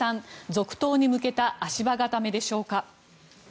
続投に向けた足場固めでしょうか。